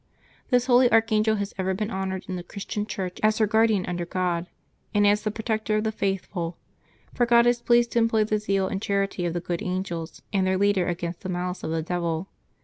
This holy archangel has ever been honored in the Christian Church as her guardian under God, and as the protector of the faithful; for God is pleased to employ the zeal and charity of the good angels and their leader against the malice of the devil.